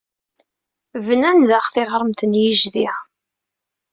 Bnan daɣ tiɣremt n yijdi.